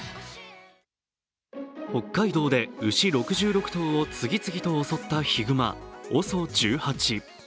北海道で牛６６頭を次々と襲ったヒグマ、ＯＳＯ１８。